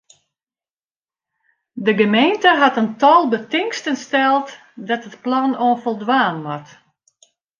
De gemeente hat in tal betingsten steld dêr't it plan oan foldwaan moat.